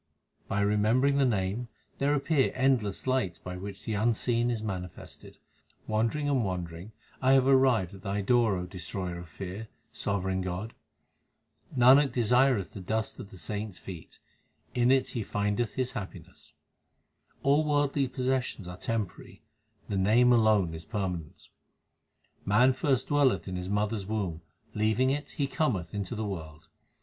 By remembering the Name there appear endless lights by which the Unseen is manifested. Wandering and wandering I have arrived at Thy door, O Destroyer of fear, sovereign God. Nanak desireth the dust of the saints feet ; in it he findeth his happiness. 1 I practise my devotions at home. 332 THE SIKH RELIGION All worldly possessions are temporary ; the Name alone is permanent : Man first dwelleth in his mother s womb ; leaving it he cometh into the world.